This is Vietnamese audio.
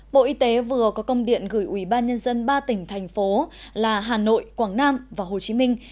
bộ y tế vừa có công điện gửi ubnd ba tỉnh thành phố là hà nội quảng nam và hồ chí minh